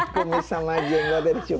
kumis sama jenggot dari cukur